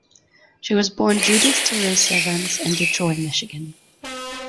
She was born Judith Therese Evans in Detroit, Michigan.